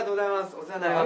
お世話になります。